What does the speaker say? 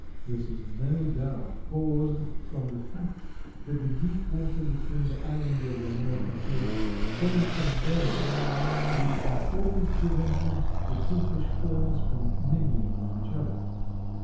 This is no doubt caused from the fact that the deep water between the islands of the American coast forms a barrier which has always prevented the two fish faunas from mingling with each other.